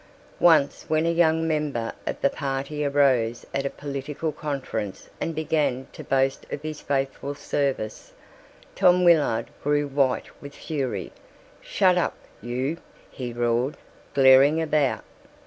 Once when a younger member of the party arose at a political conference and began to boast of his faithful service, Tom Willard grew white with fury. "Shut up, you," he roared, glaring about.